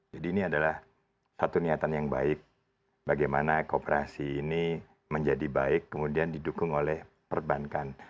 jadi ini adalah satu niatan yang baik bagaimana kooperasi ini menjadi baik kemudian didukung oleh perbankan